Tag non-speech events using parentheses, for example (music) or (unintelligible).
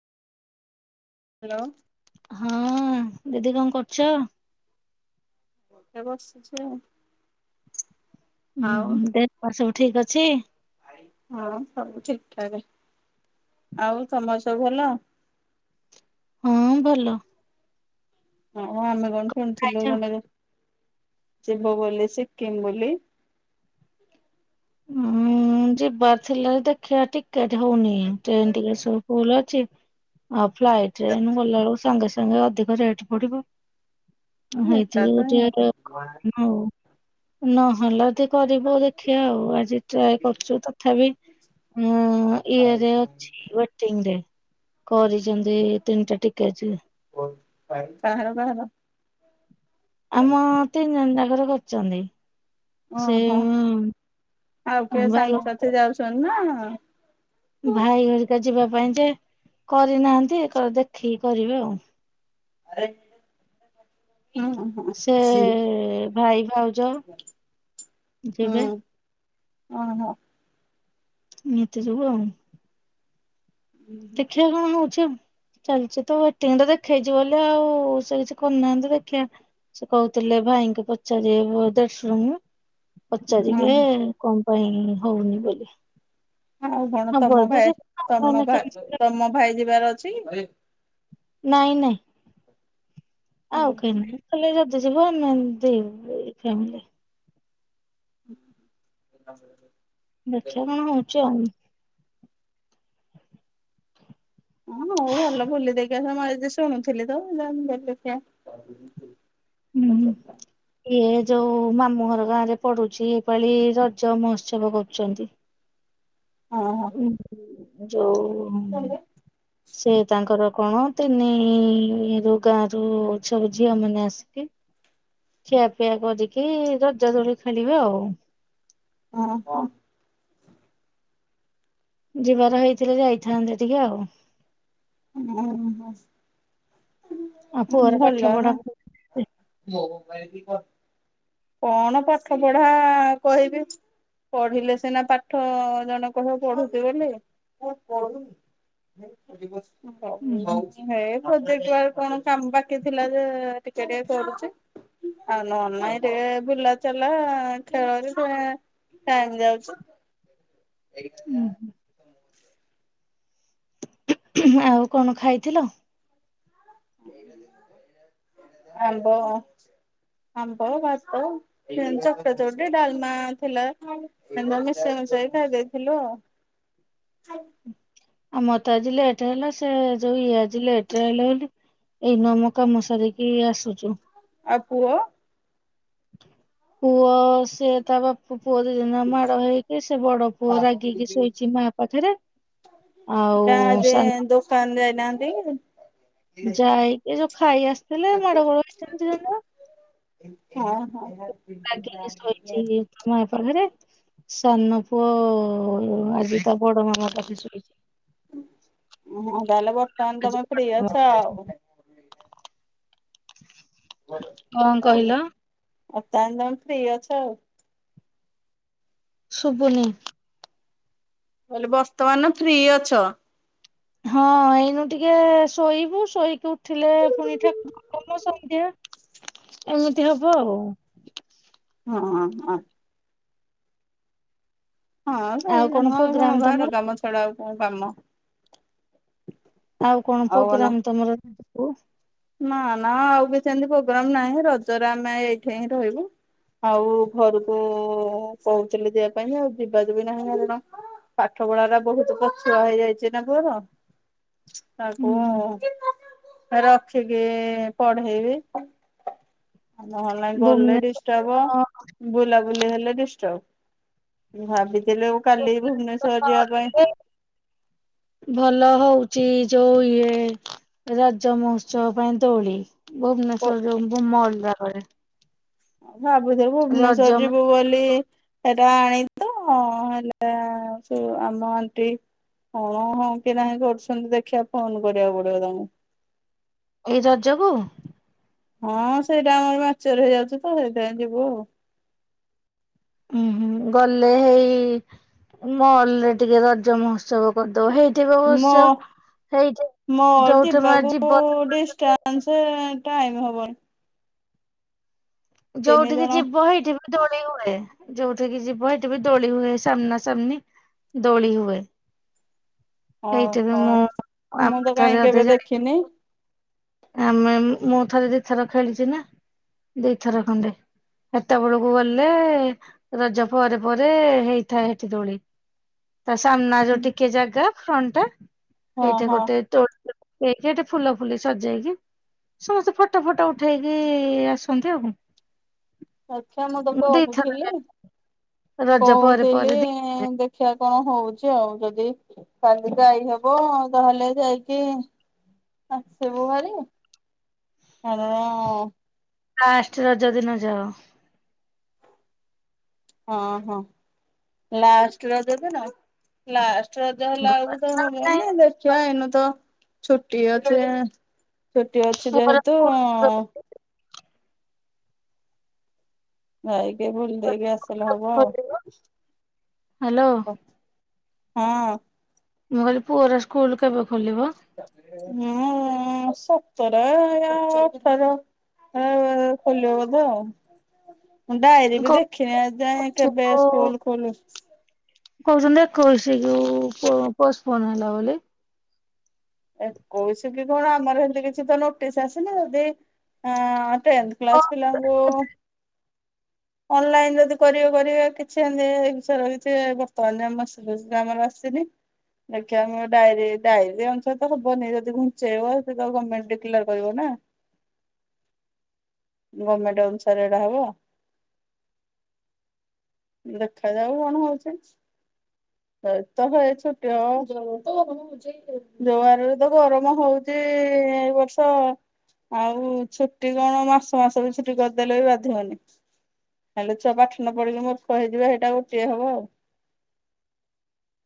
Hello. ହଁ ଦିଦି କଣ କରୁଛ? ମୁଁ ଏଠେ ବସିଛିଆଉ। ହୁଁ ହୁଁ ଦେହ ସବୁ ଠିକ ଅଛି? ହଁ ସବୁ ଠିକଠାକ ଆଉ ତମର ସବୁ ଭଲ? ହଁ ଭଲ। ଓ ଆମେ କଣ ଶୁଣିଥିଲୁ ଖାଇଛ? ଜଣେ ଯିବ ବୋଲି ସିକିମ ବୋଲି। ହୁଁ ଯିବାର ଥିଲା ଯେ ଦେଖିଆ ଟି ଟିକେଟ ହଉନି ଟ୍ରେନ ଟିକେଟ ସବୁ ଫୁଲ ଅଛି ଆଉ ଫ୍ଲାଇଟ୍ ରେ ଏଇନୁ ଗଲା ବେଳକୁ ସାଙ୍ଗେ ସା ସାଙ୍ଗେ ଅଧିକ ରେଟ ପଡିବ ହଁ ଏଟା ହେଇଥି ତ ଯୋଗୁ ନିହାତି ଟିକେ ହଉ ନହେଲେ ଅଦି କରିବୁ ଦେଖିଆ ଆଉ ଆଜି ଟ୍ରାଏ କରୁଛୁ ତଥାପି ଉଁ ଇଏରେ ଅଛି ୱେଟ ୱେଟିଙ୍ଗ ରେ କରିଛନ୍ତି ଏ ତିନିଟା ଟିକେଟ ଜେ। ହଉ କାହାର କାହାର। ଆମ ତିନି ଜଣ ଜାଙ୍କର କରିଚନ୍ତି। ସେ ଓହୋ ହୁଁ ଭାଇଙ୍କ ଶନା- ଭାଇ ହରିକା ଯିବା ପାଇଁ ଯେ କରିନାହାନ୍ତି ଦେଖିକି କରିବେ ଆଉ। ଆରେ ହୁଁ। ହୁଁ ସେ ଭାଇ ଭାଉଜ ଯିବେ। ହୁଁ ଓହୋ। ଏମିତି ସବୁ ଆଉ। ଦେଖିବା କଣ ହଉଛି ଆଉ। ଚାଲିଛି ତ ୱଟିଂ ଟା ଦେଖେଇଚି ବୋଲି ଆଉ ସେ କିଛି କରିନାହାନ୍ତି ଦେଖିବା। ସେ କହୁଥିଲେ ଭାଇଙ୍କି ପଚାରିବେ ଦେଢଶୁର ଙ୍କୁ। ହୁଁ ପଚାରିବେ ହୁଁ କଣ ପାଇଁ ହଉନି ବୋଲି? ଆଉ କଣ ହବ ତମ ଯଦି ଭାଇ ତମ ଯିବେ ଭାଇ କ୍ୟାନସେଲ। ତମ ଭାଇ ଯିବାର ଅଛି କି? ନାଇଁ ନାଇଁ। ହୁଁ ଆଉ କେହି ହୁଁ ନୁହେଁ ଖାଲି ଯଦି ଯିବ ଆମେ ଦି ଫାମିଲି। (inaudible) ଦେଖିବା କଣ ହେଉଚି ଆଉ। ହଁ ହଉ ଭଲ ବୁଲି ଦେଖି ଆସ ମୁଁ ଶୁଣୁଥିଲି ତ ଦେଖିଆ। ଆଚ୍ଛା ହୁଁ। ଆଚ୍ଛା। ଇଏ ଯୋଉ ମାମୁଁ ଘର ଗାଁ ରେ ପଡୁଛି ଏପାଳି ରଜ ମହୋତ୍ସବ କରୁଛନ୍ତି। ହଁ। ଯୋଉ। ହାଲୋ। ସେ ତାଙ୍କର କଣ ତିନି ରୁ ଗାଁରୁ ସବୁ ଝିଅ ମାନେ ଆସି କି ଖିଆପିଆ କରିକି ରଜ ଦୋଳି ଖେଳିବେ ଆଉ। ହଁ ହ। ଯିବାର ହେଇଥିଲେ ଯାଇଥାନ୍ତେ ଟିକେ ଆଉ। ହଁ ଆଉ ହ ପୁଅର ପାଠ ଭଲ ପଢା ନା। ହୁଁ ମୋ ପାଇଁ କି କଣ? କଣ ପାଠ ପଢା କହିବି। ପଢିଲେ ସିନା ପାଠ ଜଣେ କହିବ ପଢୁଚି ବୋଲି ହୋଉ ପଢୁ। (inaudible) ହେଇ ହୁଁ ପ୍ରୋଜେକ୍ଟେ୍ ୱାର୍କ କଣ କାମ ବାକି ଥିଲା ଯେ ଟିକେ ଟିକେ କରୁଚି। ଆଉ ନ ନା ଏଟେ୍ ହେ ବୁଲାଚଲା ଖେଳରେ ପୁରା ଟାଇମ୍ ଯାଉଚି। ଏଇଠି। ଉଁ ହୁଁ। ଥିଲା ଆଉ କଣ ଖାଇଥିଲ? ହାଲୋ ଆମ୍ୱ ଭାତ। ସେମିତି ଚକଟା ଚକଟି ଡାଲମା ଥିଲା। ଆମେ ବି ସେମ ଚଇଥା ଦେଇଥିଲୁ। ଆମର ତ ଆଜି ଲେଟ୍ ହେଲା ସେ ଯୋ ଇଏ ଆଜି ଲେଟେ ରେ ଆଇଲେ ବୋଲି। ଏଇନା ଆମ କାମ ସାରିକି ଆସୁଚୁ। ଆଉ ପୁଅ? ପୁଅ ସ୍ ସେ ତା ବାପ ପୁଅ ଦି ଜଣ ଯାକ ମାଡ ଖାଇକି ସେ ବଡ ପୁଅ ରାଗିକି ଶୋଇଛି ମା ପାଖରେ। ଆଉ ସାନ୍ ତାନ୍ ଯାଇନାହାନ୍ତି କି? ଯାଇକି ଯୋଉ ଖାଇ ଆସିଥିଲେ ମାଡ ଗୋଳ ହେଇଚନ୍ତି ତାଙ୍କର। ହଁ ହଁ। ରାଗିକି ଶୋଇଚି ମାପାଖରେ ସାନ ପୁଅ ଆଜି ତାବଡ଼ ମାମ ପାଖେ ଶଇଛି। ହଁ ତାହଲେ ବର୍ତ୍ତମାନେ ଆଜି ତମେ ବଡ ଫ୍ରି ମାମା ଅଛ ଆଉ। (inaudible) କଣ କହିଲ ଆ ତାଆଲେ ତମେ ଫ୍ରି ଅଛ ଆଉ। ଶବୁନି। ମୁକହିଲି ବର୍ତ୍ତମାନ ଫ୍ରି ଅଛ? ହଁ ଏଇନୁ ଟିକେ ଶୋଇବୁ ଶୋଇକି ଉଠିଲେ ପୁଣି ଠା (unintelligible) ସନ୍ଧ୍ୟା ଏମିତି ହବ ଆଉ। ହଁ ଆ। ହଁ ସେଇାରା ନୁହ ଆଉ କଣ ଘର କାମ ଛଡା ଆଉ କଣ କାମ। ଆଉ କଣ ପ୍ରୋଗ୍ରାମ ତମର (unintelligible) ନା ନା ଆଉବି ସେମିତି ପ୍ରୋଗ୍ରାମ ନାହିଁ ରଜରେ ଆମେ ଏଇଠିହିଁ ରହିବୁ। ଆଉ ଘରକୁ କହୁଥିଲେଯେ ଯିବା ପାଇଁଯେ ଆଉ ଯିବାଯୁବି ନାହିଁ କାରଣ ପାଠ ପଢାଅରା ବହୁତ୍ ପଛୁଆ ହେଇଯାଇଚିନା ପୁଅର ତାକୁ ହୁଁ ର ଦେଖିକି ପଢେଇବି ଆଉ ନହେଲେ ଲାଇ ଗଲେ ଭୁବନେଶ୍ୱର ଡିଷ୍ ଚାବୋ ବୁଲାବୁଲି ହେଲେ ଡିଷ୍ଟବ ଭାବିଥିଲେ କାଲି ଭୁବନେଶ୍ଵର ଯିବା ପାଇଁ ଭଲ ହଉଚି ଯୋଉ ଇଏ ରଜ ମହୋତ୍ସବ ପାଇଁ ଦୋଳି ଭୁବନେଶ୍୍ୱର ଯୋଉ ମଲ୍ ଆଗରେ ଆଭାବୁଥିଲୁ ଭୁବନେଶ୍ଵର ରଜ ଯିବୁ ବୋଲି ସେଟା ଆଣିଲିତ ହେଲେ ସେଆମ ଆଣ୍ଟି ହଁ ହଁ କି ନାହିଁ କରୁଛନ୍ତି ଦେଖିବା ଫୋନ୍ କରିବାକୁ ପଡ଼ିବ ତାଙ୍କୁ। ଏଇ ରଜକୁୁ? ହଁ ସେଇଟା ଆମର ମାଚରେ ହେଇଯାଉଚିତ ସେଇଥିପାଇଁ ଯିବୁ ଆଉ। ଉୁଁ ହୁଁ ଗଲେ ହେଇ ମଲରେ ଟିକେ ରଜ ମହୋତ୍ସବ କରିଦବ ହେଇ ମୋ ଥିବସ୍ୟ ହେଇଯା ଯୋଉଠୁ ମୁଆଜି ଯିବନ କୋଡିଷ୍ଟା ମାନେସେ ଟାଇମ୍ ହବନି। ତିନି ଯୋଉଠିକି ଜଣ ଯିବ ହେଇଠିବି ଦୋଳି ହୁଏ ଯୋଉଠିକିି ଯିବ ହେଟିବି ଦୋଳି ହୁଏ ସାମ୍ନା ସାମ୍ନି ଦୋଳି ହୁଏ। ସେଇଠି ବି ଓହୋ ମୁଁ ଆମେ ମୁଁତ ଥରେ କାଇଁ ଅଧେ କେବେ ଯାଇ ଦେଖିନି। ଆମେ ମୁଁ ଥରେ ଦି ଥର ଖେଳିଚିନା ଦି ଥର ଖଣ୍ଡେ। ହେତ ବଳକୁ ଗଲେ ରଜ ପରେ ପରେ ହେଇଥାଏ ହେଟି ଦୋଳି। ତାସମ୍ନା ଯଉ ଟିକେ ଜାଗା ଫ୍ରଣ୍ଟା ହଁ ସେଇଟା ହଁ ଗୋଟେ ଦୋଳି ଏଗ୍ଜାଟେ ଫୁଲ ଫୁଲିସ୍ ସଜେଇକି ସମସ୍ତେ ଫଟୋ ଫଟୋ ଉଠେଇକି ଆସନ୍ତି ଆଉ କଣ। ଆଚ୍ଛା ମୁଁତ ମୁଁ ଦିଥର କହୁଥିଲି ଯାଏ ରଜ ପରେ ପରେ କହୁଥିଲି ଦି ଏଦେଖିଆ କଣ ହଉଚି ଆଉ ଯୋଦି କାଲିି ଯାଇହବ ତାହେଲେ ଯାଇକି ଆସିବୁ ଭାରି ଆମର ଫାଷ୍ଟ ରଜ ଦିନ ଯାଅ। ହଁ ହଁ ଲାଷ୍ଟ ରଜଦିନ? ଲାଷ୍ଟ ରଜ ହେଲା ଆଳୁକୁତ ହବନି ଦେଖି ଦେଖିଆ ଏଇନୁ ତ ଛୁଟି ଅଛି ଛୁଟି ଅଛି ପୁଅର ଯେହେତୁ ସ୍କୁଲ ଯାଇକି ବୁଲି ଦେଇକି ଆସିଲେ ହବ ଆଉ। ଖୋଲିବ ହ୍ୟାଲୋ ହଁ। ମୁଁ କହିଲି ପୁଅ ର ସ୍କୁଲ କେବେ ଖୋଲିବ? ଉଁ ସତର ୟା ଅଠର। ଖୋଲିବ ବୋଧେ ଆଉ। ମୁଁ ଡାଏରୀ ବି ଦେଖିନି ଏଯାଏ କେବେ କହୁଛୁ ସ୍କୁଲ ଖୋଲୁ କହୁଛନ୍ତି ଏକୋଇଶି କୁ ପୋଷ୍ଟପୋଣ୍ଡ ହେଲା ବୋଲି। ଏକୋଇଶି କି କଣ ଆମର ଏମତି କିଛି ତ ନୋଟିସ ଆସିନି। ଯଦି ଆଁ ଟେନ୍ଥ ହଁ କ୍ଲାସ୍ ପିଲାଙ୍କୁ ଅନଲାଇନ୍ ଯଦି କରିବେ କରିବେ। କିଛି ଏନ୍ତି ଏ ବିଷୟରେ କିଛି ବର୍ତ୍ତମାନ ଆମର ମେସେଜେସ୍ ତ ଆସିନି। ଦେଖିଆ ମୁଁ ଡାଏରୀ ଡାଏରୀ ରେ ସେ ତ ହବନି। ଯଦି ଘୁଞ୍ଚେଇବ ତ ଗମେଣ୍ଟ ଡିକ୍ଲାର୍ କରିବ ନା। ଗମେଣ୍ଟ ଅନୁସାରେ ଏଟା ହବ। ଦେଖାଯାଉ କଣ ହଉଚି। ଏଇ ତ ହେଇ ଛୁଟି ହବ। ଯୋଉ ହାର ରେ ତ ଗରମ ହଉଚି ଏଇ ବର୍ଷ ଆଉ ଛୁଟି କଣ ମାସ ମାସ ବି ଛୁଟି କରିଦେଲେ ବି ବାଧିବନି। ହେଲେ ଛୁଆ ପାଠ ନପଢିକି ମୂର୍ଖ ହେଇଯିବେ ହେଇଟା ଗୋଟିଏ ହବ ଆଉ।